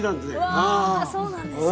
うわそうなんですね。